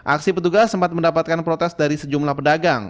aksi petugas sempat mendapatkan protes dari sejumlah pedagang